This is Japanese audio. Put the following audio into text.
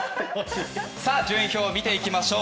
順位表を見ていきましょう。